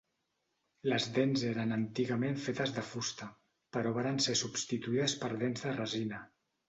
Les dents eren antigament fetes de fusta, però varen ser substituïdes per dents de resina.